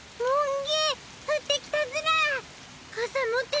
もんげ！